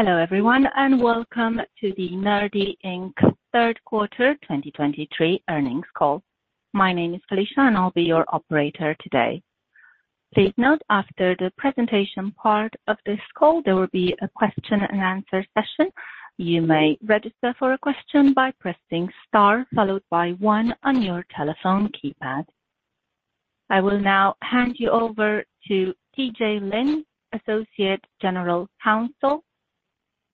Hello, everyone, and welcome to the Nerdy Inc. Third Quarter 2023 earnings call. My name is Felicia, and I'll be your operator today. Please note after the presentation part of this call, there will be a question and answer session. You may register for a question by pressing Star, followed by 1 on your telephone keypad. I will now hand you over to T.J. Lynn, Associate General Counsel,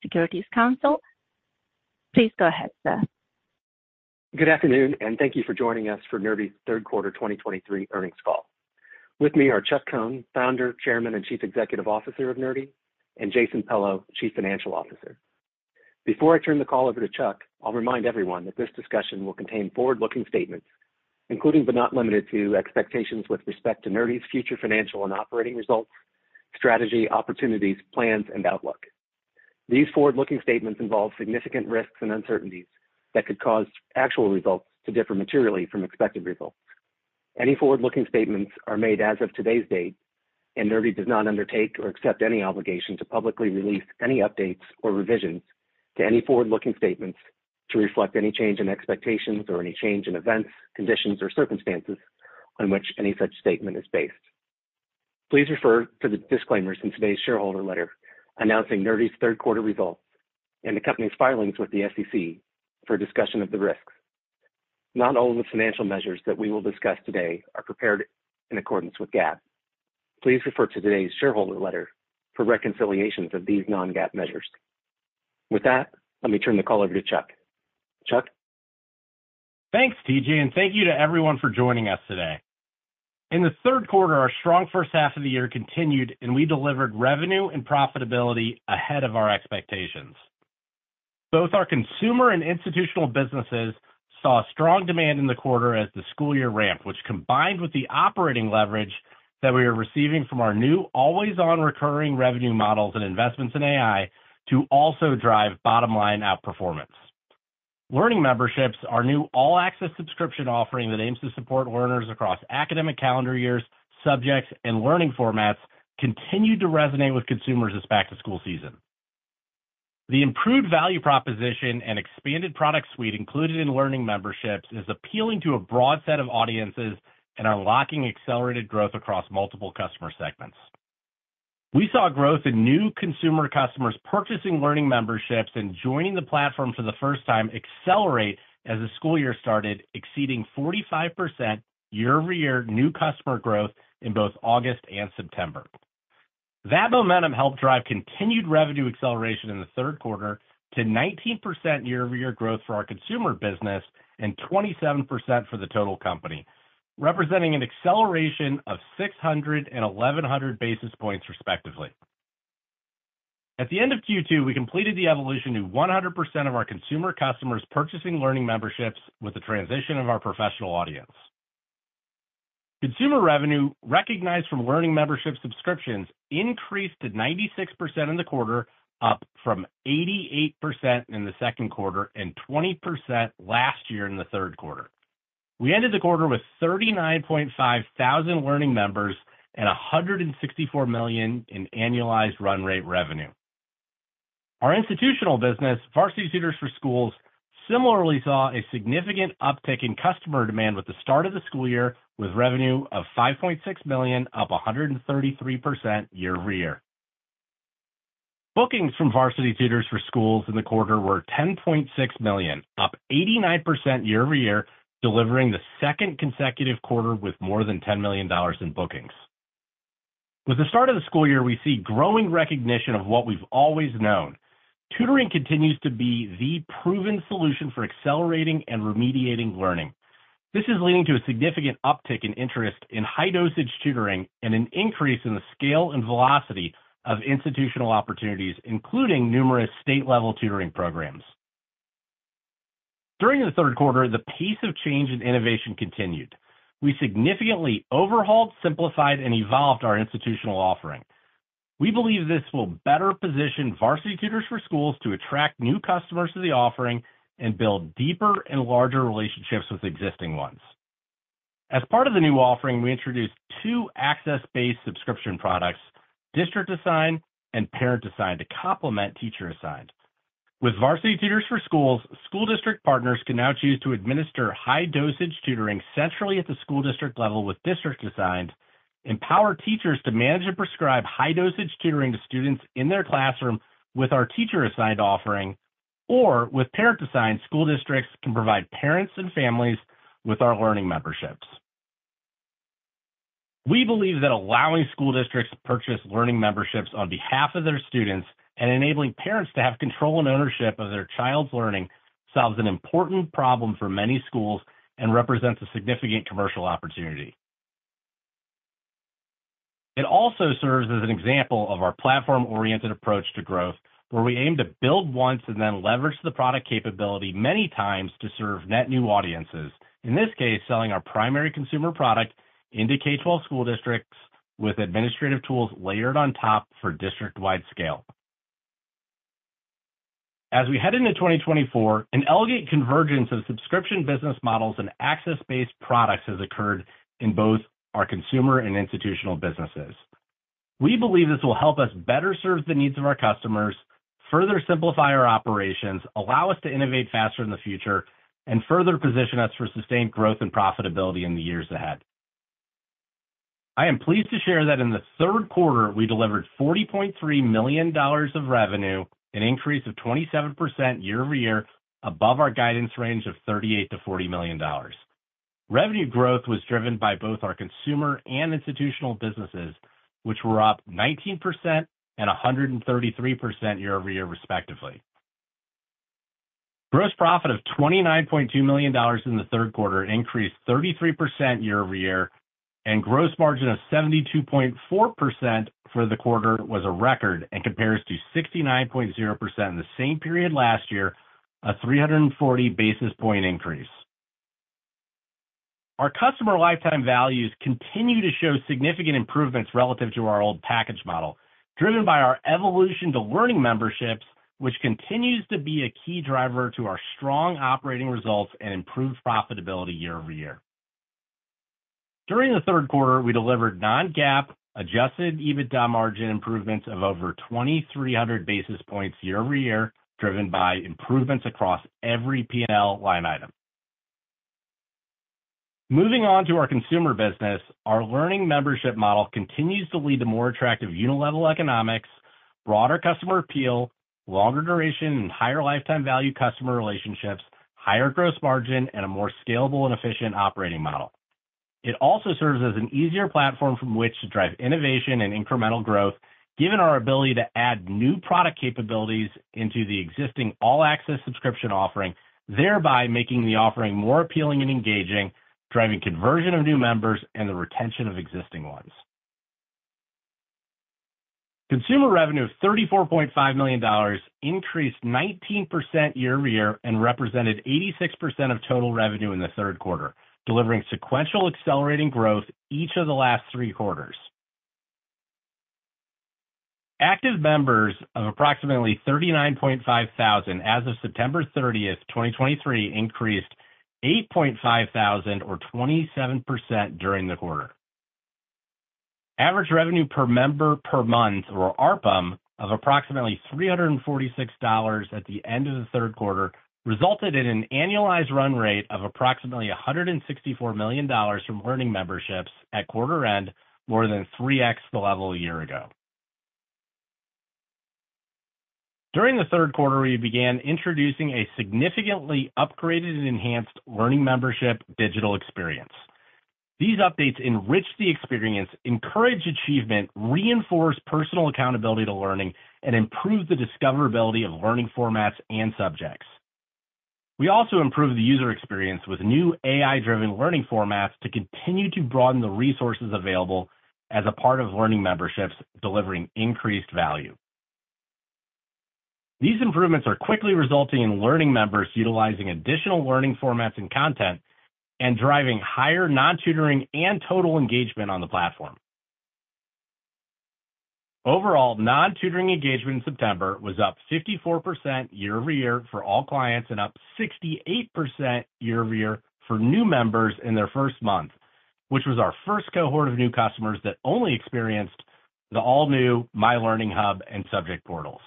Securities Counsel. Please go ahead, sir. Good afternoon, and thank you for joining us for Nerdy's third quarter 2023 earnings call. With me are Chuck Cohn, Founder, Chairman, and Chief Executive Officer of Nerdy, and Jason Pello, Chief Financial Officer. Before I turn the call over to Chuck, I'll remind everyone that this discussion will contain forward-looking statements, including but not limited to expectations with respect to Nerdy's future financial and operating results, strategy, opportunities, plans, and outlook. These forward-looking statements involve significant risks and uncertainties that could cause actual results to differ materially from expected results. Any forward-looking statements are made as of today's date, and Nerdy does not undertake or accept any obligation to publicly release any updates or revisions to any forward-looking statements to reflect any change in expectations or any change in events, conditions, or circumstances on which any such statement is based. Please refer to the disclaimers in today's shareholder letter announcing Nerdy's third-quarter results and the company's filings with the SEC for a discussion of the risks. Not all of the financial measures that we will discuss today are prepared in accordance with GAAP. Please refer to today's shareholder letter for reconciliations of these non-GAAP measures. With that, let me turn the call over to Chuck. Chuck? Thanks, T.J. and thank you to everyone for joining us today. In the third quarter, our strong first half of the year continued, and we delivered revenue and profitability ahead of our expectations. Both our consumer and institutional businesses saw strong demand in the quarter as the school year ramped, which combined with the operating leverage that we are receiving from our new always-on recurring revenue models and investments in AI to also drive bottom-line outperformance. Learning Memberships, our new all-access subscription offering that aims to support learners across academic calendar years, subjects, and learning formats, continued to resonate with consumers this back-to-school season. The improved value proposition and expanded product suite included in Learning Memberships is appealing to a broad set of audiences and unlocking accelerated growth across multiple customer segments. We saw growth in new consumer customers purchasing Learning Memberships and joining the platform for the first time accelerate as the school year started, exceeding 45% year-over-year new customer growth in both August and September. That momentum helped drive continued revenue acceleration in the third quarter to 19% year-over-year growth for our consumer business and 27% for the total company, representing an acceleration of 600 and 1100 basis points, respectively. At the end of Q2, we completed the evolution to 100% of our consumer customers purchasing Learning Memberships with the transition of our professional audience. Consumer revenue recognized from Learning Membership subscriptions increased to 96% in the quarter, up from 88% in the second quarter and 20% last year in the third quarter. We ended the quarter with 39.5 thousand learning members and $164 million in annualized run rate revenue. Our institutional business, Varsity Tutors for Schools, similarly saw a significant uptick in customer demand with the start of the school year, with revenue of $5.6 million, up 133% year-over-year. Bookings from Varsity Tutors for Schools in the quarter were $10.6 million, up 89% year-over-year, delivering the second consecutive quarter with more than $10 million in bookings. With the start of the school year, we see growing recognition of what we've always known. Tutoring continues to be the proven solution for accelerating and remediating learning. This is leading to a significant uptick in interest in high-dosage tutoring and an increase in the scale and velocity of institutional opportunities, including numerous state-level tutoring programs. During the third quarter, the pace of change and innovation continued. We significantly overhauled, simplified, and evolved our institutional offering. We believe this will better position Varsity Tutors for Schools to attract new customers to the offering and build deeper and larger relationships with existing ones. As part of the new offering, we introduced two access-based subscription products, District Assigned and Parent Assigned, to complement Teacher Assigned. With Varsity Tutors for Schools, school district partners can now choose to administer high-dosage tutoring centrally at the school district level with District Assigned, empower teachers to manage and prescribe high-dosage tutoring to students in their classroom with our Teacher Assigned offering, or with Parent Assigned, school districts can provide parents and families with our Learning Memberships. We believe that allowing school districts to purchase Learning Memberships on behalf of their students and enabling parents to have control and ownership of their child's learning solves an important problem for many schools and represents a significant commercial opportunity. It also serves as an example of our platform-oriented approach to growth, where we aim to build once and then leverage the product capability many times to serve net new audiences. In this case, selling our primary consumer product into K-12 school districts with administrative tools layered on top for district-wide scale. As we head into 2024, an elegant convergence of subscription business models and access-based products has occurred in both our consumer and institutional businesses. We believe this will help us better serve the needs of our customers, further simplify our operations, allow us to innovate faster in the future, and further position us for sustained growth and profitability in the years ahead. I am pleased to share that in the third quarter, we delivered $40.3 million of revenue, an increase of 27% year over year, above our guidance range of $38 million-$40 million. Revenue growth was driven by both our consumer and institutional businesses, which were up 19% and 133% year over year, respectively. Gross profit of $29.2 million in the third quarter increased 33% year-over-year, and gross margin of 72.4% for the quarter was a record, and compares to 69.0% in the same period last year, a 340 basis point increase. Our customer lifetime values continue to show significant improvements relative to our old package model, driven by our evolution to Learning Memberships, which continues to be a key driver to our strong operating results and improved profitability year-over-year. During the third quarter, we delivered non-GAAP adjusted EBITDA margin improvements of over 2,300 basis points year-over-year, driven by improvements across every P&L line item. Moving on to our consumer business, our learning membership model continues to lead to more attractive unit-level economics, broader customer appeal, longer duration and higher lifetime value customer relationships, higher gross margin, and a more scalable and efficient operating model. It also serves as an easier platform from which to drive innovation and incremental growth, given our ability to add new product capabilities into the existing All Access subscription offering, thereby making the offering more appealing and engaging, driving conversion of new members and the retention of existing ones. Consumer revenue of $34.5 million increased 19% year over year and represented 86% of total revenue in the third quarter, delivering sequential accelerating growth each of the last three quarters. Active members of approximately 39,500 as of September thirtieth, 2023, increased 8,500 or 27% during the quarter. Average revenue per member per month, or ARPM, of approximately $346 at the end of the third quarter, resulted in an annualized run rate of approximately $164 million from Learning Memberships at quarter end, more than 3x the level a year ago. During the third quarter, we began introducing a significantly upgraded and enhanced Learning Membership digital experience. These updates enrich the experience, encourage achievement, reinforce personal accountability to learning, and improve the discoverability of learning formats and subjects. We also improved the user experience with new AI-driven learning formats to continue to broaden the resources available as a part of Learning Memberships, delivering increased value. These improvements are quickly resulting in learning members utilizing additional learning formats and content, and driving higher non-tutoring and total engagement on the platform. Overall, non-tutoring engagement in September was up 54% year-over-year for all clients and up 68% year-over-year for new members in their first month, which was our first cohort of new customers that only experienced the all-new My Learning Hub and Subject Portals.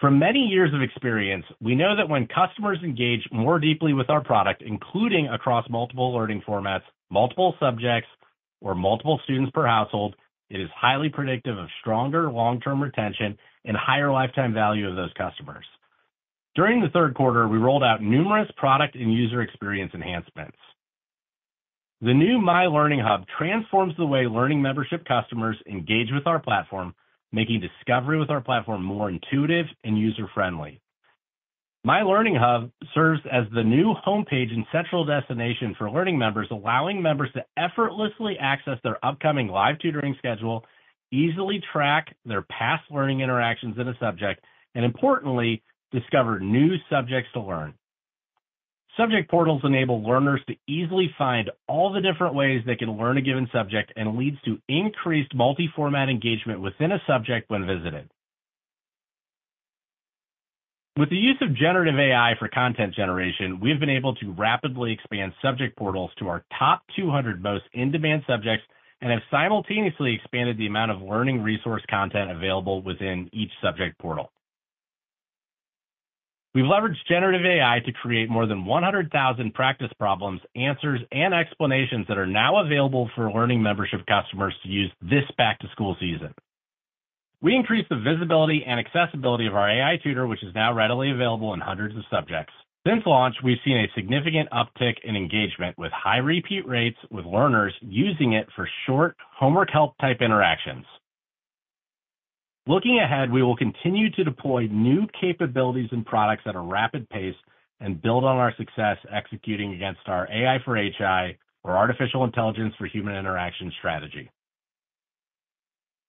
From many years of experience, we know that when customers engage more deeply with our product, including across multiple learning formats, multiple subjects, or multiple students per household, it is highly predictive of stronger long-term retention and higher lifetime value of those customers. During the third quarter, we rolled out numerous product and user experience enhancements. The new My Learning Hub transforms the way Learning Membership customers engage with our platform, making discovery with our platform more intuitive and user-friendly. My Learning Hub serves as the new homepage and central destination for learning members, allowing members to effortlessly access their upcoming live tutoring schedule, easily track their past learning interactions in a subject, and importantly, discover new subjects to learn. Subject portals enable learners to easily find all the different ways they can learn a given subject and leads to increased multi-format engagement within a subject when visited. With the use of generative AI for content generation, we've been able to rapidly expand Subject Portals to our top 200 most in-demand subjects and have simultaneously expanded the amount of learning resource content available within each subject portal. We've leveraged generative AI to create more than 100,000 practice problems, answers, and explanations that are now available for learning membership customers to use this back to school season. We increased the visibility and accessibility of our AI Tutor, which is now readily available in hundreds of subjects. Since launch, we've seen a significant uptick in engagement with high repeat rates, with learners using it for short homework help type interactions. Looking ahead, we will continue to deploy new capabilities and products at a rapid pace and build on our success executing against our AI for HI, or artificial intelligence for human interaction strategy.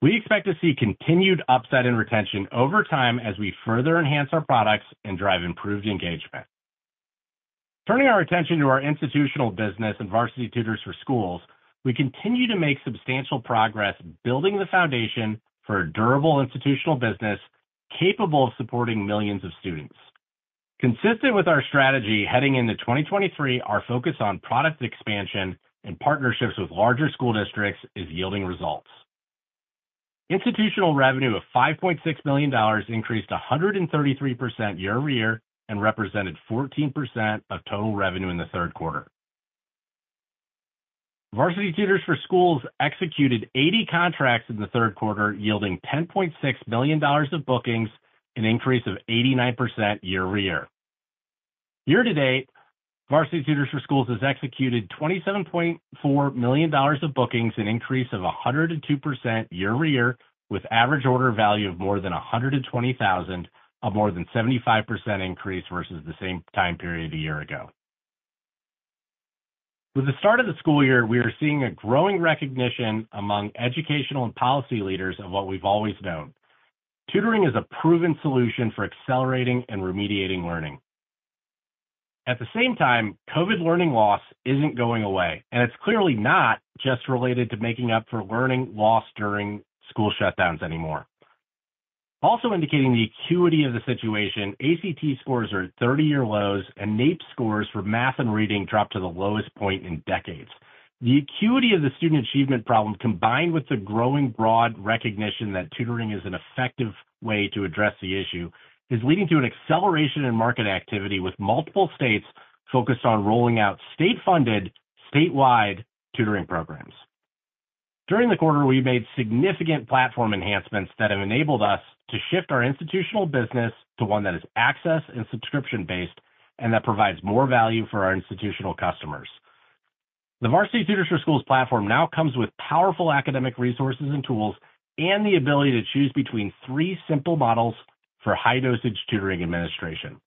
We expect to see continued upside in retention over time as we further enhance our products and drive improved engagement. Turning our attention to our institutional business and Varsity Tutors for Schools, we continue to make substantial progress building the foundation for a durable institutional business capable of supporting millions of students. Consistent with our strategy heading into 2023, our focus on product expansion and partnerships with larger school districts is yielding results. Institutional revenue of $5.6 billion increased 133% year-over-year, and represented 14% of total revenue in the third quarter. Varsity Tutors for Schools executed 80 contracts in the third quarter, yielding $10.6 billion of bookings, an increase of 89% year-over-year. Year to date, Varsity Tutors for Schools has executed $27.4 million of bookings, an increase of 102% year-over-year, with average order value of more than $120,000, a more than 75% increase versus the same time period a year ago. With the start of the school year, we are seeing a growing recognition among educational and policy leaders of what we've always known: tutoring is a proven solution for accelerating and remediating learning. At the same time, COVID learning loss isn't going away, and it's clearly not just related to making up for learning loss during school shutdowns anymore. Also indicating the acuity of the situation, ACT scores are at 30-year lows, and NAEP scores for math and reading dropped to the lowest point in decades. The acuity of the student achievement problem, combined with the growing broad recognition that tutoring is an effective way to address the issue, is leading to an acceleration in market activity, with multiple states focused on rolling out state-funded, statewide tutoring programs. During the quarter, we made significant platform enhancements that have enabled us to shift our institutional business to one that is access and subscription-based, and that provides more value for our institutional customers. The Varsity Tutors for Schools platform now comes with powerful academic resources and tools, and the ability to choose between three simple models for high-dosage tutoring administration.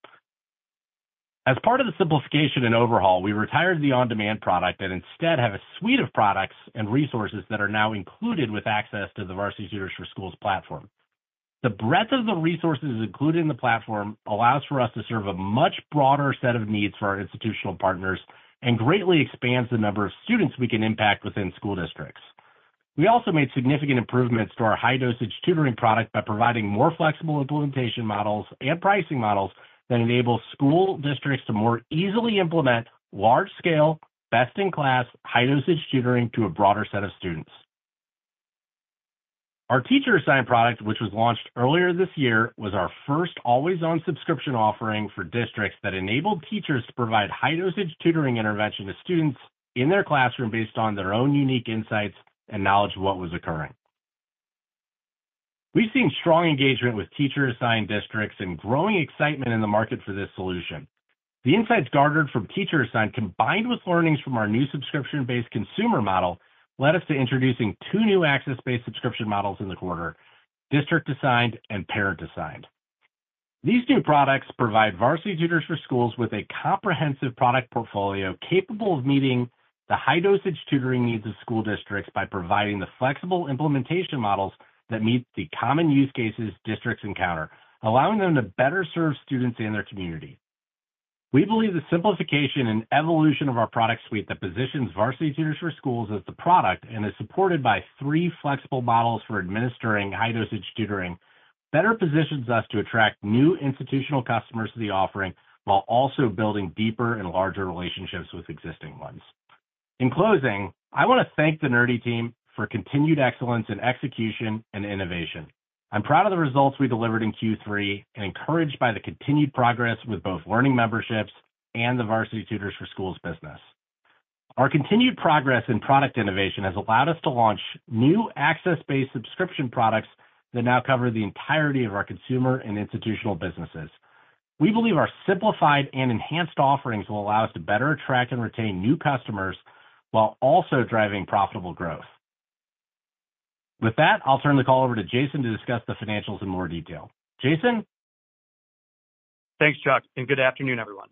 As part of the simplification and overhaul, we retired the on-demand product and instead have a suite of products and resources that are now included with access to the Varsity Tutors for Schools platform. The breadth of the resources included in the platform allows for us to serve a much broader set of needs for our institutional partners and greatly expands the number of students we can impact within school districts. We also made significant improvements to our high-dosage tutoring product by providing more flexible implementation models and pricing models that enable school districts to more easily implement large-scale, best-in-class, high-dosage tutoring to a broader set of students. Our Teacher-Assigned product, which was launched earlier this year, was our first always-on subscription offering for districts that enabled teachers to provide High-Dosage Tutoring intervention to students in their classroom based on their own unique insights and knowledge of what was occurring. We've seen strong engagement with Teacher-Assigned districts and growing excitement in the market for this solution. The insights garnered from Teacher-Assigned, combined with learnings from our new subscription-based consumer model, led us to introducing two new access-based subscription models in the quarter: District-Assigned and Parent-Assigned. These new products provide Varsity Tutors for Schools with a comprehensive product portfolio capable of meeting the High-Dosage Tutoring needs of school districts by providing the flexible implementation models that meet the common use cases districts encounter, allowing them to better serve students in their community. We believe the simplification and evolution of our product suite that positions Varsity Tutors for Schools as the product and is supported by three flexible models for administering high-dosage tutoring, better positions us to attract new institutional customers to the offering, while also building deeper and larger relationships with existing ones. In closing, I want to thank the Nerdy team for continued excellence in execution and innovation. I'm proud of the results we delivered in Q3 and encouraged by the continued progress with both Learning Memberships and the Varsity Tutors for Schools business. Our continued progress in product innovation has allowed us to launch new access-based subscription products that now cover the entirety of our consumer and institutional businesses. We believe our simplified and enhanced offerings will allow us to better attract and retain new customers while also driving profitable growth. With that, I'll turn the call over to Jason to discuss the financials in more detail. Jason? Thanks, Chuck, and good afternoon, everyone.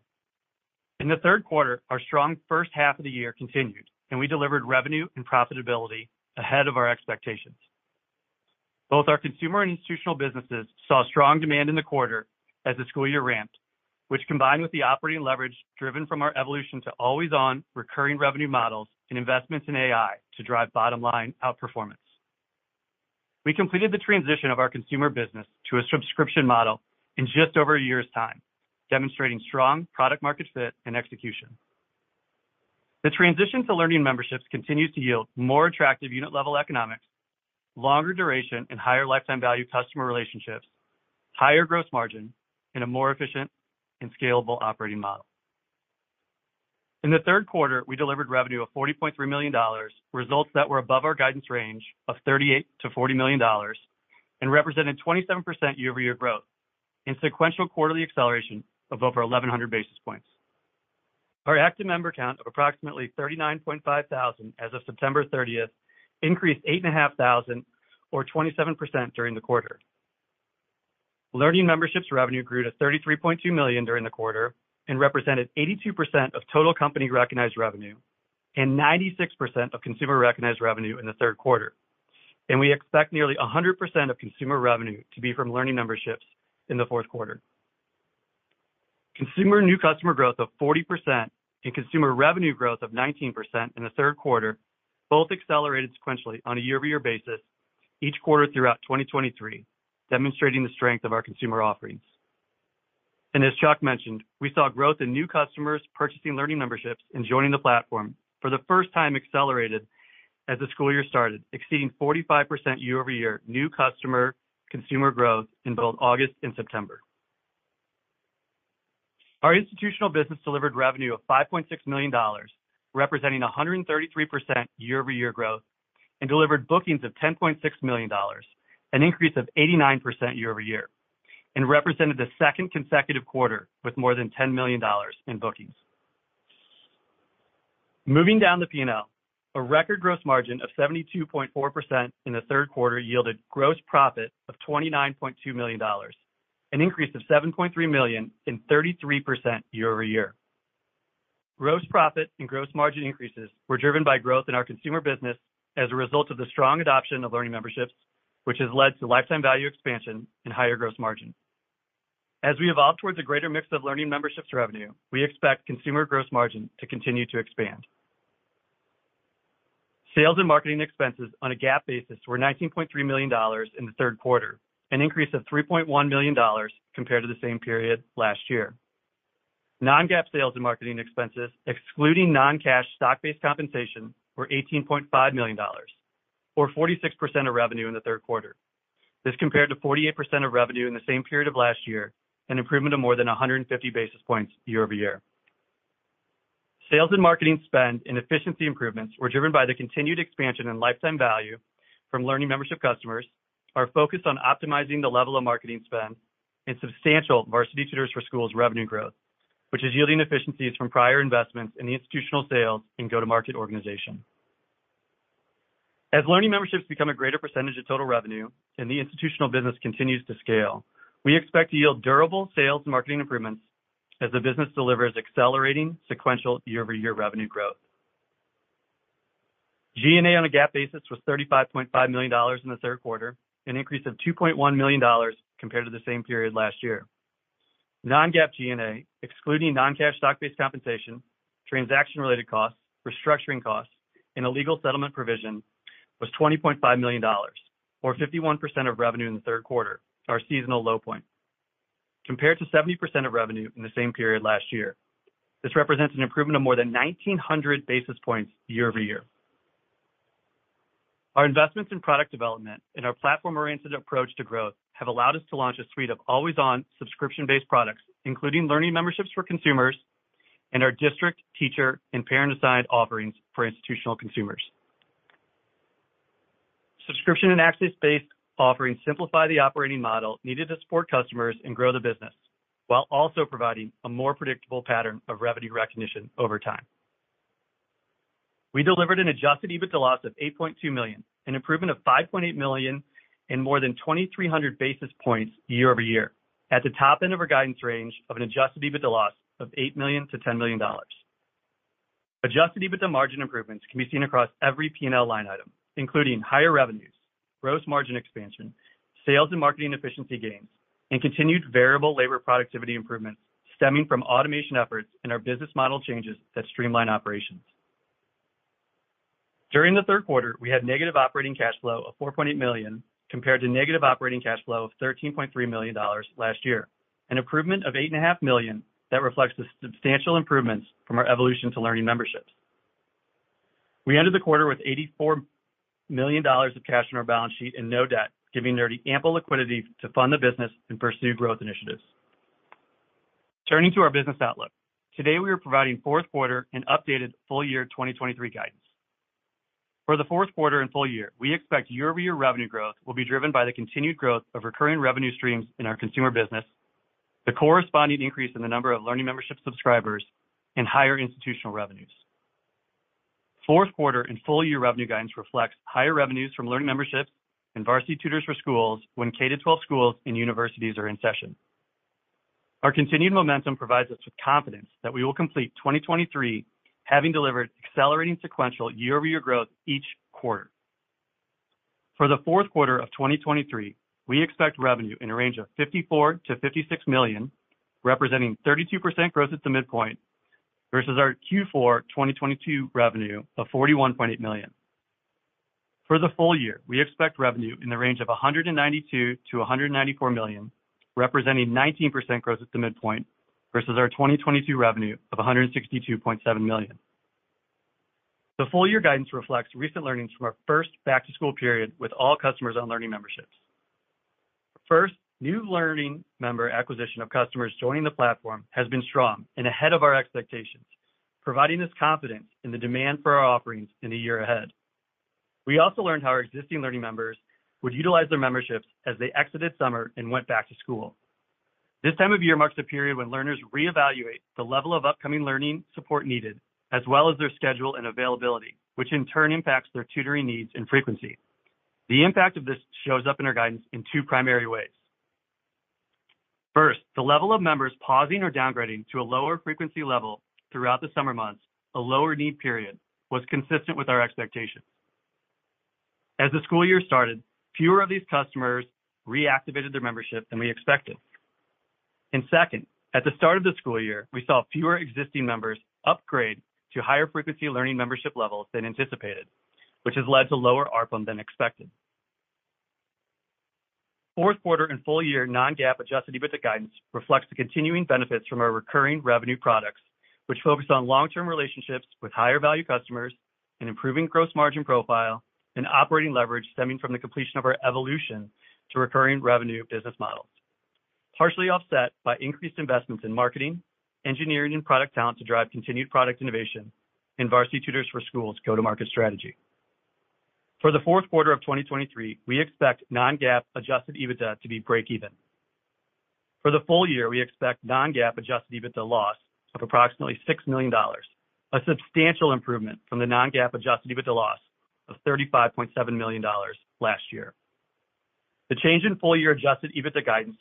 In the third quarter, our strong first half of the year continued, and we delivered revenue and profitability ahead of our expectations. Both our consumer and institutional businesses saw strong demand in the quarter as the school year ramped, which combined with the operating leverage driven from our evolution to always-on recurring revenue models and investments in AI to drive bottom-line outperformance. We completed the transition of our consumer business to a subscription model in just over a year's time, demonstrating strong product market fit and execution. The transition to Learning Memberships continues to yield more attractive unit-level economics, longer duration and higher lifetime value customer relationships, higher gross margin, and a more efficient and scalable operating model. In the third quarter, we delivered revenue of $40.3 million, results that were above our guidance range of $38 million-$40 million and represented 27% year-over-year growth and sequential quarterly acceleration of over 1,100 basis points. Our active member count of approximately 39,500 as of September 30, increased 8,500 or 27% during the quarter. Learning Memberships revenue grew to $33.2 million during the quarter and represented 82% of total company recognized revenue and 96% of consumer-recognized revenue in the third quarter, and we expect nearly 100% of consumer revenue to be from Learning Memberships in the fourth quarter. Consumer new customer growth of 40% and consumer revenue growth of 19% in the third quarter, both accelerated sequentially on a year-over-year basis, each quarter throughout 2023, demonstrating the strength of our consumer offerings. And as Chuck mentioned, we saw growth in new customers purchasing learning memberships and joining the platform for the first time accelerated as the school year started, exceeding 45% year-over-year new customer consumer growth in both August and September. Our institutional business delivered revenue of $5.6 million, representing 133% year-over-year growth, and delivered bookings of $10.6 million, an increase of 89% year-over-year, and represented the second consecutive quarter with more than $10 million in bookings. Moving down the P&L, a record gross margin of 72.4% in the third quarter yielded gross profit of $29.2 million, an increase of $7.3 million and 33% year-over-year. Gross profit and gross margin increases were driven by growth in our consumer business as a result of the strong adoption of Learning Memberships, which has led to lifetime value expansion and higher gross margin. As we evolve towards a greater mix of Learning Memberships revenue, we expect consumer gross margin to continue to expand. Sales and marketing expenses on a GAAP basis were $19.3 million in the third quarter, an increase of $3.1 million compared to the same period last year. Non-GAAP sales and marketing expenses, excluding non-cash stock-based compensation, were $18.5 million, or 46% of revenue in the third quarter. This compared to 48% of revenue in the same period of last year, an improvement of more than 150 basis points year-over-year. Sales and marketing spend and efficiency improvements were driven by the continued expansion in lifetime value from Learning Membership customers, our focus on optimizing the level of marketing spend, and substantial Varsity Tutors for Schools revenue growth, which is yielding efficiencies from prior investments in the institutional sales and go-to-market organization. As Learning Memberships become a greater percentage of total revenue and the institutional business continues to scale, we expect to yield durable sales and marketing improvements as the business delivers accelerating sequential year-over-year revenue growth. G&A on a GAAP basis was $35.5 million in the third quarter, an increase of $2.1 million compared to the same period last year. Non-GAAP G&A, excluding non-cash stock-based compensation, transaction-related costs, restructuring costs, and a legal settlement provision, was $20.5 million, or 51% of revenue in the third quarter, our seasonal low point. Compared to 70% of revenue in the same period last year, this represents an improvement of more than 1,900 basis points year-over-year. Our investments in product development and our platform-oriented approach to growth have allowed us to launch a suite of always-on subscription-based products, including Learning Memberships for consumers and our District-, Teacher-, and Parent-Assigned offerings for institutional consumers. Subscription and access-based offerings simplify the operating model needed to support customers and grow the business, while also providing a more predictable pattern of revenue recognition over time. We delivered an Adjusted EBITDA loss of $8.2 million, an improvement of $5.8 million and more than 2,300 basis points year-over-year, at the top end of our guidance range of an Adjusted EBITDA loss of $8 million-$10 million. Adjusted EBITDA margin improvements can be seen across every P&L line item, including higher revenues, gross margin expansion, sales and marketing efficiency gains, and continued variable labor productivity improvements stemming from automation efforts and our business model changes that streamline operations. During the third quarter, we had negative operating cash flow of $4.8 million, compared to negative operating cash flow of $13.3 million last year, an improvement of $8.5 million that reflects the substantial improvements from our evolution to Learning Memberships. We ended the quarter with $84 million of cash on our balance sheet and no debt, giving Nerdy ample liquidity to fund the business and pursue growth initiatives. Turning to our business outlook. Today, we are providing fourth quarter and updated full-year 2023 guidance. For the fourth quarter and full year, we expect year-over-year revenue growth will be driven by the continued growth of recurring revenue streams in our consumer business, the corresponding increase in the number of Learning Membership subscribers, and higher institutional revenues. Fourth quarter and full-year revenue guidance reflects higher revenues from Learning Memberships and Varsity Tutors for Schools when K-12 schools and universities are in session. Our continued momentum provides us with confidence that we will complete 2023, having delivered accelerating sequential year-over-year growth each quarter. For the fourth quarter of 2023, we expect revenue in a range of $54 million-$56 million, representing 32% growth at the midpoint, versus our Q4 2022 revenue of $41.8 million. For the full year, we expect revenue in the range of $192 million-$194 million, representing 19% growth at the midpoint, versus our 2022 revenue of $162.7 million. The full-year guidance reflects recent learnings from our first back-to-school period with all customers on Learning Memberships. First, new Learning Member acquisition of customers joining the platform has been strong and ahead of our expectations, providing us confidence in the demand for our offerings in the year ahead. We also learned how our existing Learning Members would utilize their memberships as they exited summer and went back to school. This time of year marks the period when learners reevaluate the level of upcoming learning support needed, as well as their schedule and availability, which in turn impacts their tutoring needs and frequency. The impact of this shows up in our guidance in two primary ways. The level of members pausing or downgrading to a lower frequency level throughout the summer months, a lower need period, was consistent with our expectations. As the school year started, fewer of these customers reactivated their membership than we expected. And second, at the start of the school year, we saw fewer existing members upgrade to higher frequency learning membership levels than anticipated, which has led to lower ARPM than expected. Fourth quarter and full-year non-GAAP adjusted EBITDA guidance reflects the continuing benefits from our recurring revenue products, which focus on long-term relationships with higher value customers and improving gross margin profile and operating leverage stemming from the completion of our evolution to recurring revenue business models. Partially offset by increased investments in marketing, engineering, and product talent to drive continued product innovation and Varsity Tutors for Schools go-to-market strategy. For the fourth quarter of 2023, we expect non-GAAP adjusted EBITDA to be breakeven. For the full year, we expect non-GAAP adjusted EBITDA loss of approximately $6 million, a substantial improvement from the non-GAAP adjusted EBITDA loss of $35.7 million last year. The change in full-year adjusted EBITDA guidance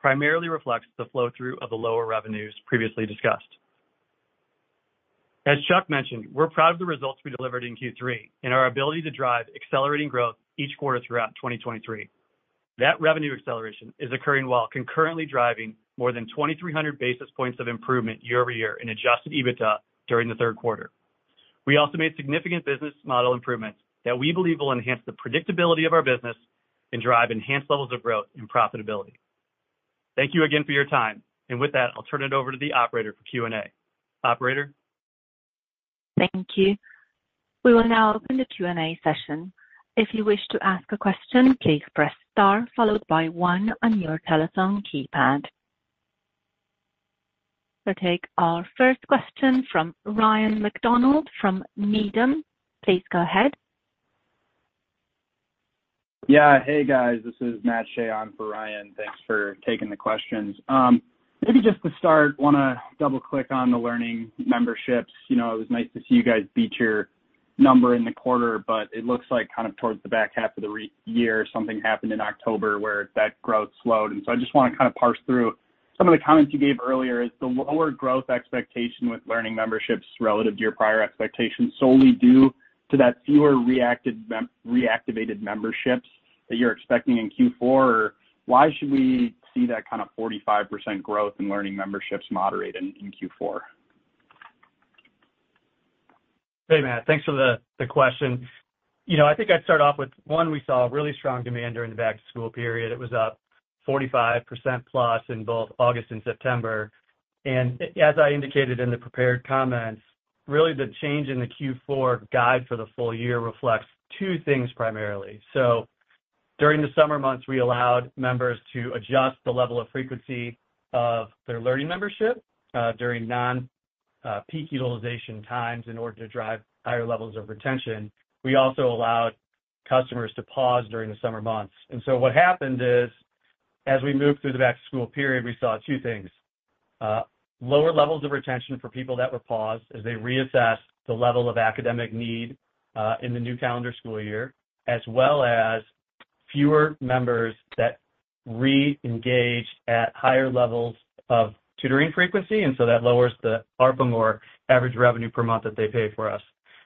primarily reflects the flow-through of the lower revenues previously discussed. As Chuck mentioned, we're proud of the results we delivered in Q3 and our ability to drive accelerating growth each quarter throughout 2023. That revenue acceleration is occurring while concurrently driving more than 2,300 basis points of improvement year-over-year in Adjusted EBITDA during the third quarter. We also made significant business model improvements that we believe will enhance the predictability of our business and drive enhanced levels of growth and profitability. Thank you again for your time, and with that, I'll turn it over to the operator for Q&A. Operator? Thank you. We will now open the Q&A session. If you wish to ask a question, please press star followed by one on your telephone keypad. We'll take our first question from Ryan MacDonald from Needham. Please go ahead. Yeah. Hey, guys, this is Matt Shea on for Ryan. Thanks for taking the questions. Maybe just to start, want to double-click on the Learning Memberships. You know, it was nice to see you guys beat your number in the quarter, but it looks like kind of towards the back half of the year, something happened in October where that growth slowed. So I just want to kind of parse through some of the comments you gave earlier. Is the lower growth expectation with Learning Memberships relative to your prior expectations solely due to that fewer reactivated memberships that you're expecting in Q4? Or why should we see that kind of 45% growth in Learning Memberships moderate in Q4? Hey, Matt, thanks for the question. You know, I think I'd start off with one, we saw really strong demand during the back-to-school period. It was up 45%+ in both August and September. And as I indicated in the prepared comments, really, the change in the Q4 guide for the full year reflects two things primarily. So during the summer months, we allowed members to adjust the level of frequency of their Learning Membership, during non-peak utilization times in order to drive higher levels of retention. We also allowed customers to pause during the summer months. And so what happened is, as we moved through the back-to-school period, we saw two things: lower levels of retention for people that were paused as they reassessed the level of academic need in the new calendar school year, as well as fewer members that reengaged at higher levels of tutoring frequency, and so that lowers the ARPM or average revenue per month that they pay for us.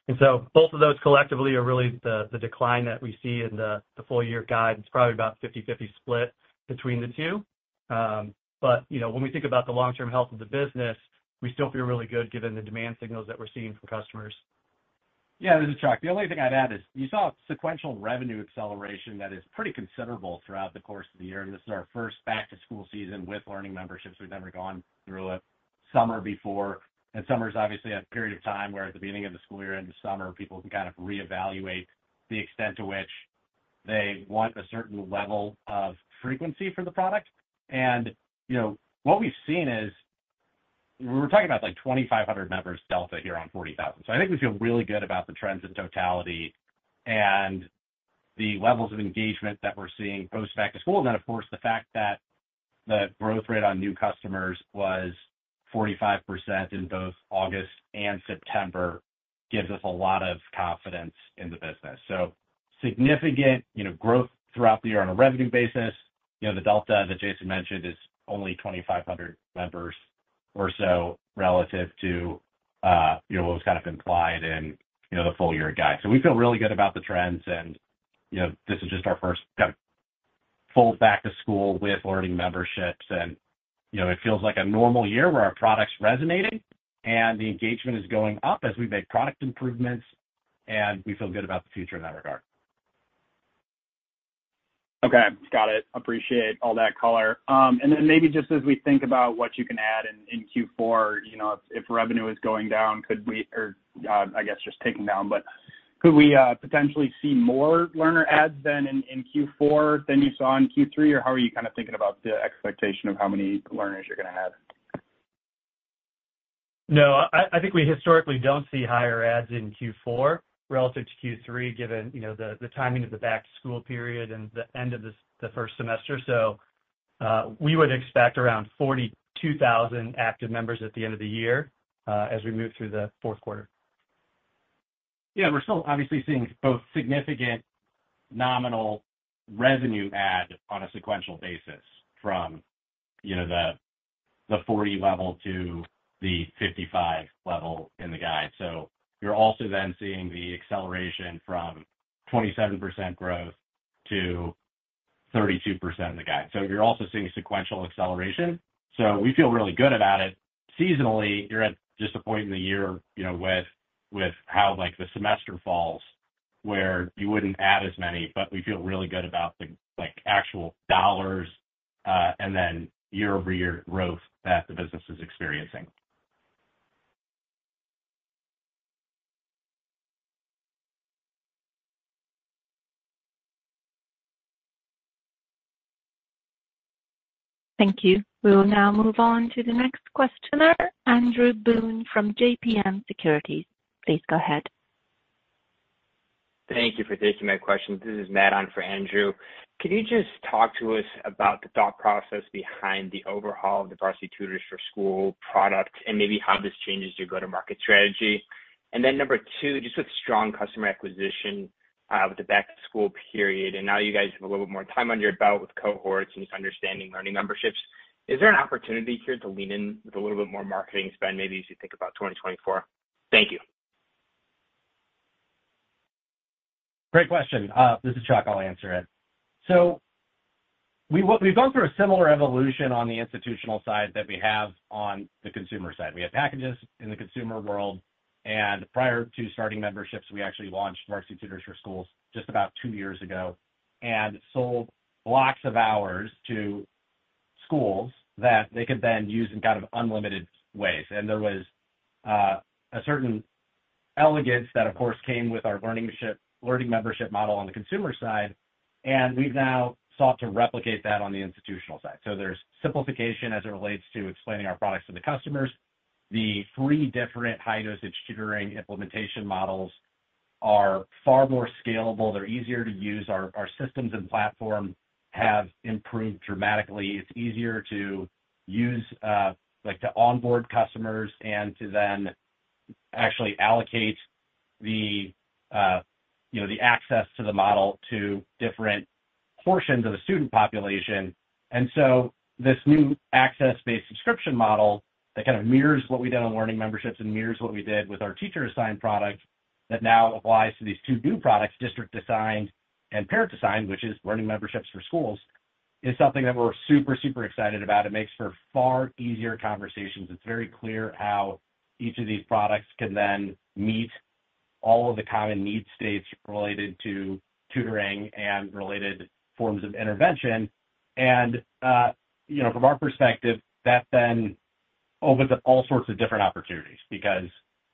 And so both of those collectively are really the, the decline that we see in the, the full-year guide. It's probably about 50/50 split between the two. But, you know, when we think about the long-term health of the business, we still feel really good given the demand signals that we're seeing from customers. Yeah, this is Chuck. The only thing I'd add is, you saw sequential revenue acceleration that is pretty considerable throughout the course of the year, and this is our first back-to-school season with Learning Memberships. We've never gone through a summer before, and summer's obviously a period of time where at the beginning of the school year, end of summer, people can kind of reevaluate the extent to which they want a certain level of frequency for the product. And, you know, what we've seen is, we're talking about, like, 2,500 members delta here on 40,000. So I think we feel really good about the trends in totality and the levels of engagement that we're seeing post back to school. Then, of course, the fact that the growth rate on new customers was 45% in both August and September gives us a lot of confidence in the business. So significant, you know, growth throughout the year on a revenue basis. You know, the delta that Jason mentioned is only 2,500 members or so relative to, you know, what was kind of implied in, you know, the full-year guide. So we feel really good about the trends, and, you know, this is just our first kind of full back to school with Learning Memberships. And, you know, it feels like a normal year where our product's resonating, and the engagement is going up as we make product improvements, and we feel good about the future in that regard. Okay. Got it. Appreciate all that color. And then maybe just as we think about what you can add in, in Q4, you know, if revenue is going down, could we or I guess just taking down. But could we potentially see more learner adds than in Q4 than you saw in Q3? Or how are you kind of thinking about the expectation of how many learners you're gonna add? No, I think we historically don't see higher adds in Q4 relative to Q3, given, you know, the timing of the back-to-school period and the end of the first semester. So, we would expect around 42,000 active members at the end of the year, as we move through the fourth quarter.... Yeah, we're still obviously seeing both significant nominal revenue add on a sequential basis from, you know, the, the 40 level to the 55 level in the guide. So you're also then seeing the acceleration from 27% growth to 32% in the guide. So you're also seeing sequential acceleration. So we feel really good about it. Seasonally, you're at just a point in the year, you know, with, with how, like, the semester falls, where you wouldn't add as many, but we feel really good about the, like, actual dollars, and then year-over-year growth that the business is experiencing. Thank you. We will now move on to the next questioner, Andrew Boone from JMP Securities. Please go ahead. Thank you for taking my question. This is Matt on for Andrew. Can you just talk to us about the thought process behind the overhaul of the Varsity Tutors for Schools product and maybe how this changes your go-to-market strategy? And then number two, just with strong customer acquisition, with the back-to-school period, and now you guys have a little bit more time under your belt with cohorts and just understanding Learning Memberships, is there an opportunity here to lean in with a little bit more marketing spend, maybe as you think about 2024? Thank you. Great question. This is Chuck. I'll answer it. So we've gone through a similar evolution on the institutional side that we have on the consumer side. We have packages in the consumer world, and prior to starting memberships, we actually launched Varsity Tutors for Schools just about two years ago and sold blocks of hours to schools that they could then use in kind of unlimited ways. And there was a certain elegance that, of course, came with our learning membership model on the consumer side, and we've now sought to replicate that on the institutional side. So there's simplification as it relates to explaining our products to the customers. The three different high-dosage tutoring implementation models are far more scalable. They're easier to use. Our systems and platform have improved dramatically. It's easier to use, like, to onboard customers and to then actually allocate the, you know, the access to the model to different portions of the student population. And so this new access-based subscription model that kind of mirrors what we did on Learning Memberships and mirrors what we did with our Teacher Assigned product, that now applies to these two new products, District Assigned and Parent Assigned, which is Learning Memberships for schools, is something that we're super, super excited about. It makes for far easier conversations. It's very clear how each of these products can then meet all of the common need states related to tutoring and related forms of intervention. And, you know, from our perspective, that then opens up all sorts of different opportunities because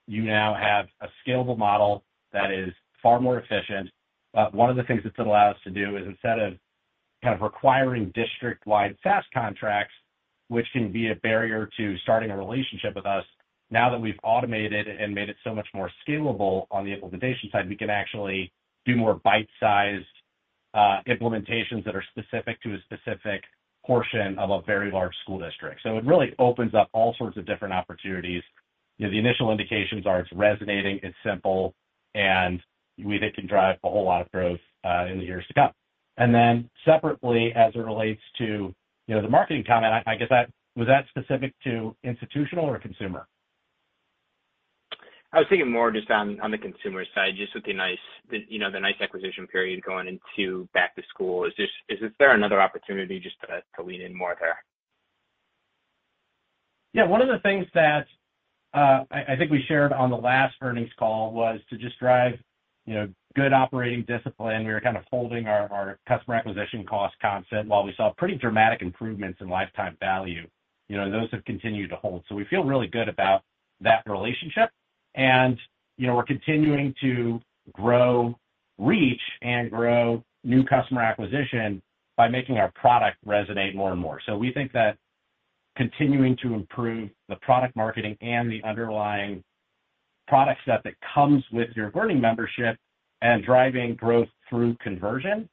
you now have a scalable model that is far more efficient. One of the things that's allowed us to do is instead of kind of requiring district-wide SaaS contracts, which can be a barrier to starting a relationship with us, now that we've automated and made it so much more scalable on the implementation side, we can actually do more bite-sized implementations that are specific to a specific portion of a very large school district. So it really opens up all sorts of different opportunities. You know, the initial indications are it's resonating, it's simple, and we think it can drive a whole lot of growth in the years to come. And then separately, as it relates to, you know, the marketing comment, I guess that was that specific to institutional or consumer? I was thinking more just on, on the consumer side, just with the nice... The, you know, the nice acquisition period going into back to school. Is this, is there another opportunity just to, to lean in more there? Yeah, one of the things that, I think we shared on the last earnings call was to just drive, you know, good operating discipline. We were kind of holding our customer acquisition cost constant while we saw pretty dramatic improvements in lifetime value. You know, those have continued to hold. So we feel really good about that relationship. And, you know, we're continuing to grow reach and grow new customer acquisition by making our product resonate more and more. So we think that continuing to improve the product marketing and the underlying product set that comes with your Learning Membership and driving growth through conversion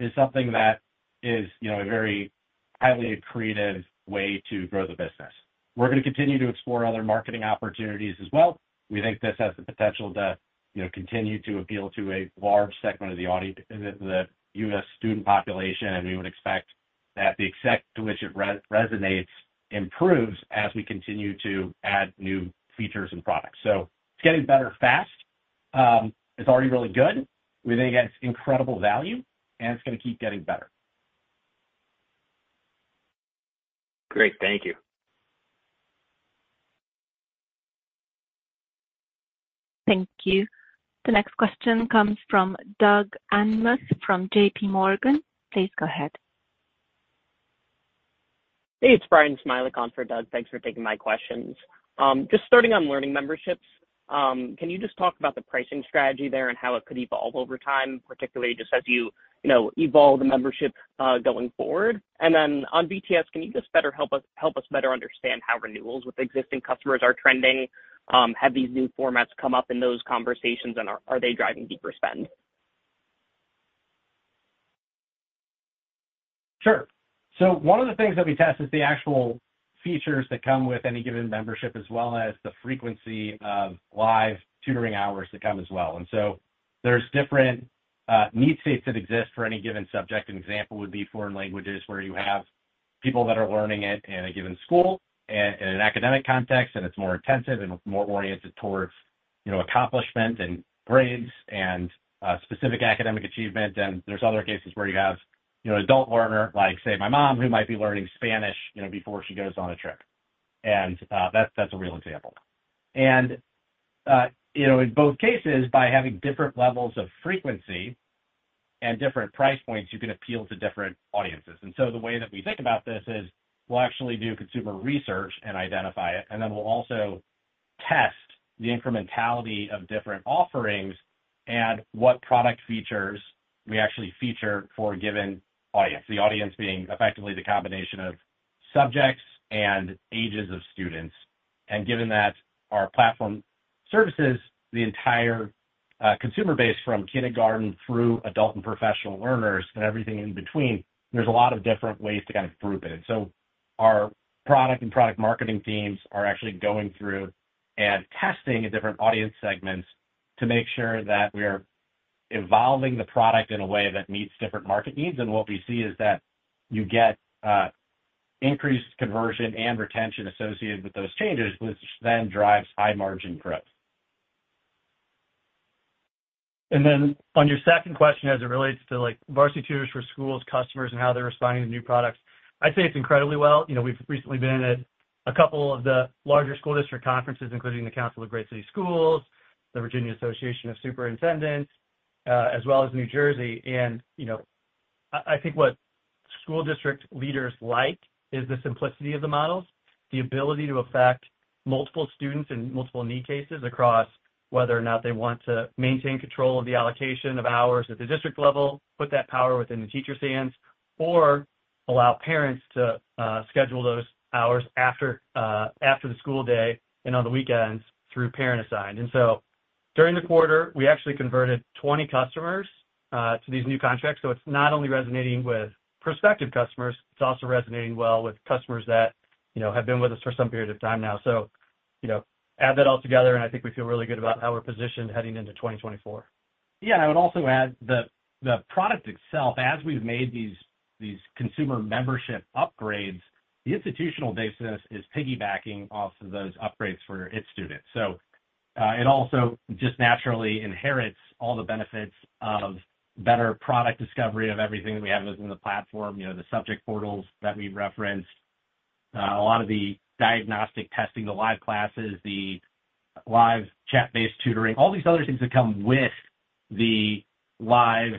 is something that is, you know, a very highly accretive way to grow the business. We're gonna continue to explore other marketing opportunities as well. We think this has the potential to, you know, continue to appeal to a large segment of the U.S. student population, and we would expect that the extent to which it resonates improves as we continue to add new features and products. So it's getting better fast. It's already really good. We think it's incredible value, and it's gonna keep getting better. Great. Thank you. Thank you. The next question comes from Doug Anmuth from JP Morgan. Please go ahead. Hey, it's Brian Smiley on for Doug. Thanks for taking my questions. Just starting on Learning Memberships, can you just talk about the pricing strategy there and how it could evolve over time, particularly just as you, you know, evolve the membership, going forward? And then on VTS, can you just better help us - help us better understand how renewals with existing customers are trending? Have these new formats come up in those conversations, and are they driving deeper spend?... Sure. So one of the things that we test is the actual features that come with any given membership, as well as the frequency of live tutoring hours that come as well. And so there's different need states that exist for any given subject. An example would be foreign languages, where you have people that are learning it in a given school, in an academic context, and it's more intensive and more oriented towards, you know, accomplishment and grades and specific academic achievement. And there's other cases where you have, you know, an adult learner, like, say, my mom, who might be learning Spanish, you know, before she goes on a trip. And that's a real example. And you know, in both cases, by having different levels of frequency and different price points, you can appeal to different audiences. So the way that we think about this is, we'll actually do consumer research and identify it, and then we'll also test the incrementality of different offerings and what product features we actually feature for a given audience, the audience being effectively the combination of subjects and ages of students. Given that our platform services the entire consumer base from kindergarten through adult and professional learners and everything in between, there's a lot of different ways to kind of group it. Our product and product marketing teams are actually going through and testing different audience segments to make sure that we are evolving the product in a way that meets different market needs. What we see is that you get increased conversion and retention associated with those changes, which then drives high-margin growth. And then on your second question, as it relates to, like, Varsity Tutors for Schools customers, and how they're responding to new products, I'd say it's incredibly well. You know, we've recently been at a couple of the larger school district conferences, including the Council of Great City Schools, the Virginia Association of Superintendents, as well as New Jersey. And, you know, I think what school district leaders like is the simplicity of the models, the ability to affect multiple students in multiple need cases across whether or not they want to maintain control of the allocation of hours at the district level, put that power within the teacher's hands, or allow parents to schedule those hours after the school day and on the weekends through Parent Assigned. And so during the quarter, we actually converted 20 customers to these new contracts. So it's not only resonating with prospective customers, it's also resonating well with customers that, you know, have been with us for some period of time now. So, you know, add that all together, and I think we feel really good about how we're positioned heading into 2024. Yeah, and I would also add the product itself, as we've made these consumer membership upgrades, the institutional business is piggybacking off of those upgrades for its students. So, it also just naturally inherits all the benefits of better product discovery of everything that we have within the platform. You know, the subject portals that we referenced, a lot of the diagnostic testing, the live classes, the live chat-based tutoring, all these other things that come with the live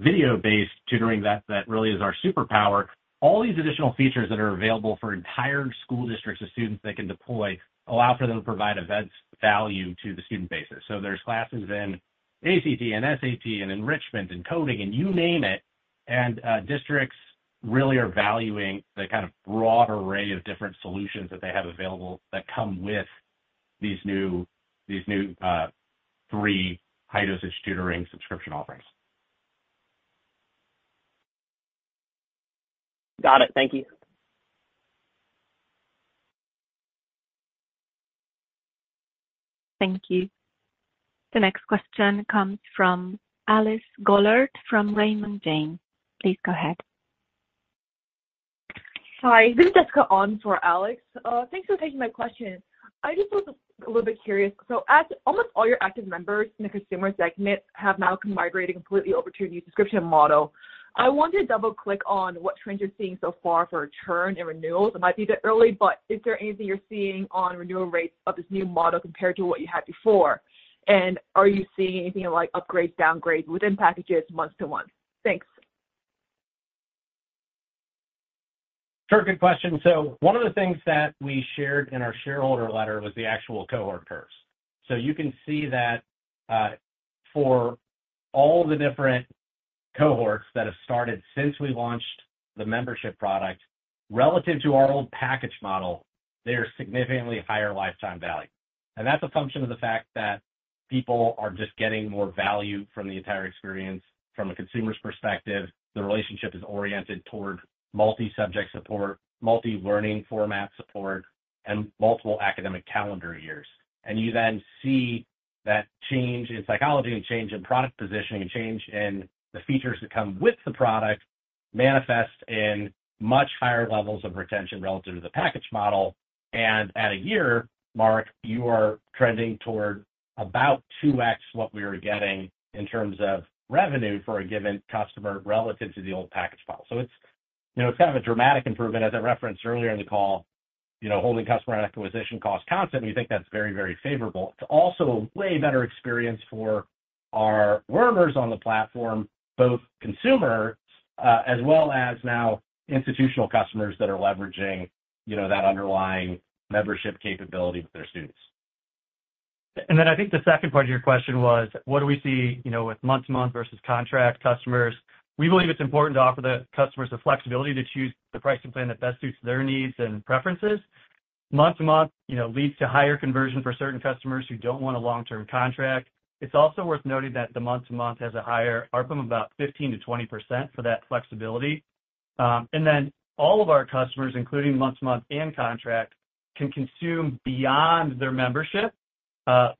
video-based tutoring, that really is our superpower. All these additional features that are available for entire school districts of students that can deploy allow for them to provide advanced value to the student bases. So there's classes in ACT and SAT and enrichment and coding, and you name it, and districts really are valuing the kind of broad array of different solutions that they have available that come with these new, these new three High-Dosage Tutoring subscription offerings. Got it. Thank you. Thank you. The next question comes from Alex Sklar, from Raymond James. Please go ahead. Hi, this is Jessica on for Alex. Thanks for taking my question. I just was a little bit curious. So as almost all your active members in the consumer segment have now been migrating completely over to your new subscription model, I want to double-click on what trends you're seeing so far for churn and renewals. It might be a bit early, but is there anything you're seeing on renewal rates of this new model compared to what you had before? And are you seeing anything like upgrades, downgrades within packages month to month? Thanks. Sure, good question. So one of the things that we shared in our shareholder letter was the actual cohort curves. So you can see that, for all the different cohorts that have started since we launched the membership product, relative to our old package model, they are significantly higher lifetime value. And that's a function of the fact that people are just getting more value from the entire experience. From a consumer's perspective, the relationship is oriented toward multi-subject support, multi-learning format support, and multiple academic calendar years. And you then see that change in psychology and change in product positioning and change in the features that come with the product, manifest in much higher levels of retention relative to the package model. At a year, Mark, you are trending toward about 2x what we were getting in terms of revenue for a given customer relative to the old package model. It's, you know, kind of a dramatic improvement. As I referenced earlier in the call, you know, holding customer acquisition costs constant, we think that's very, very favorable. It's also a way better experience for our learners on the platform, both consumer, as well as now institutional customers that are leveraging, you know, that underlying membership capability with their students. And then I think the second part of your question was, what do we see, you know, with month-to-month versus contract customers? We believe it's important to offer the customers the flexibility to choose the pricing plan that best suits their needs and preferences.... Month-to-month, you know, leads to higher conversion for certain customers who don't want a long-term contract. It's also worth noting that the month-to-month has a higher ARPM, about 15%-20% for that flexibility. And then all of our customers, including month-to-month and contract, can consume beyond their membership,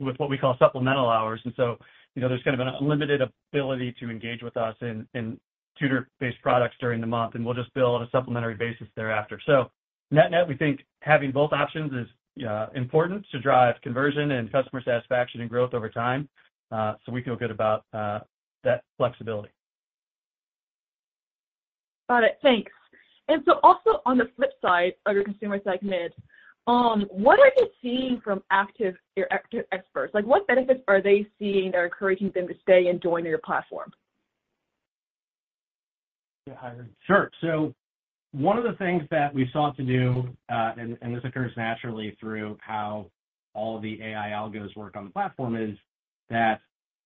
with what we call supplemental hours. And so, you know, there's kind of an unlimited ability to engage with us in tutor-based products during the month, and we'll just bill on a supplementary basis thereafter. So net-net, we think having both options is important to drive conversion and customer satisfaction and growth over time. So we feel good about that flexibility. Got it. Thanks. And so also on the flip side of your consumer segment, what are you seeing from active, your active experts? Like, what benefits are they seeing that are encouraging them to stay and join your platform? Yeah, sure. So one of the things that we've sought to do, and this occurs naturally through how all the AI algos work on the platform, is that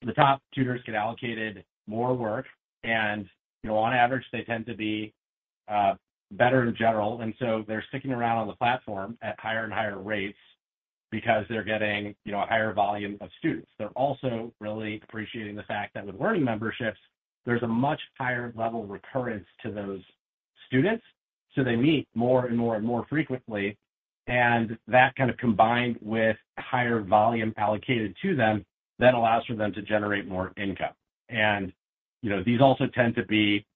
the top tutors get allocated more work, and, you know, on average, they tend to be better in general. And so they're sticking around on the platform at higher and higher rates because they're getting, you know, a higher volume of students. They're also really appreciating the fact that with Learning Memberships, there's a much higher level of recurrence to those students, so they meet more and more and more frequently. And that kind of combined with higher volume allocated to them, that allows for them to generate more income. And, you know, these also tend to be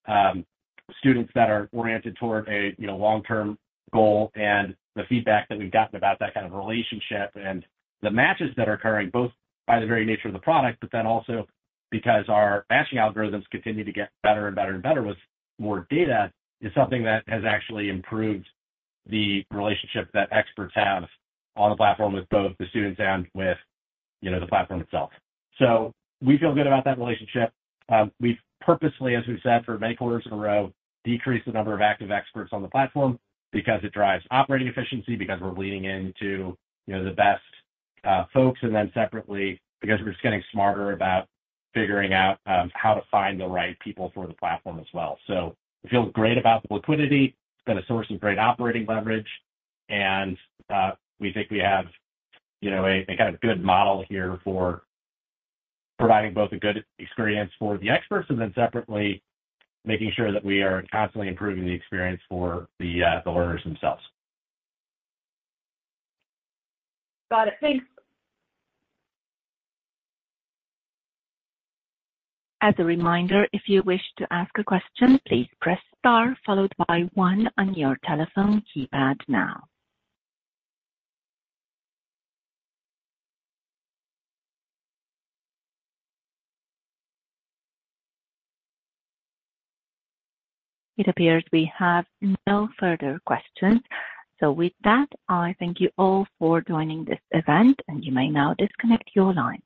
students that are oriented toward a, you know, long-term goal. And the feedback that we've gotten about that kind of relationship and the matches that are occurring, both by the very nature of the product, but then also because our matching algorithms continue to get better and better and better with more data, is something that has actually improved the relationship that experts have on the platform with both the students and with, you know, the platform itself. So we feel good about that relationship. We've purposefully, as we've said for many quarters in a row, decreased the number of active experts on the platform because it drives operating efficiency, because we're leaning into, you know, the best folks, and then separately, because we're just getting smarter about figuring out how to find the right people for the platform as well. So we feel great about the liquidity. It's been a source of great operating leverage, and we think we have, you know, a kind of good model here for providing both a good experience for the experts, and then separately, making sure that we are constantly improving the experience for the learners themselves. Got it. Thanks. As a reminder, if you wish to ask a question, please press star followed by one on your telephone keypad now. It appears we have no further questions. So with that, I thank you all for joining this event, and you may now disconnect your line.